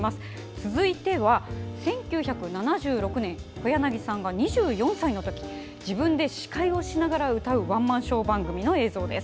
続いては、１９７６年小柳さんが２４歳のとき自分で司会をしながら歌うワンマンショー番組の映像です。